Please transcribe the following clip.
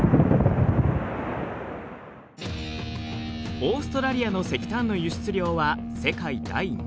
オーストラリアの石炭の輸出量は世界第２位。